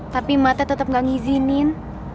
tapi matah tetep gak ngijinin